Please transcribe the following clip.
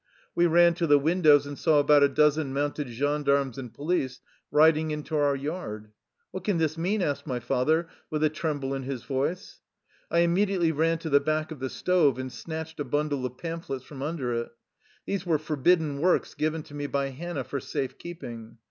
We ran to the windows and saw about a dozen mounted gendarmes and police riding into our yard. "What can this mean?" asked my father, with a tremble in his voice. I immediately ran to the back of the stove and snatched a bundle of pamphlets from under it. These were forbidden works given to me by Hannah for safe keeping.